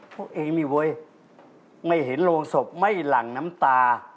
พวกเองนี่เว้ยไม่เห็นโรงศพไม่หลั่งน้ำตา